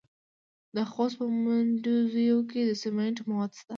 د خوست په مندوزیو کې د سمنټو مواد شته.